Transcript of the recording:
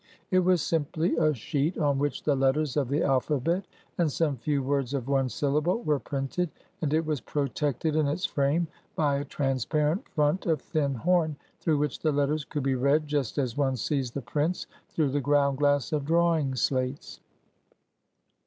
It was simply a sheet on which the letters of the alphabet, and some few words of one syllable, were printed, and it was protected in its frame by a transparent front of thin horn, through which the letters could be read, just as one sees the prints through the ground glass of "drawing slates."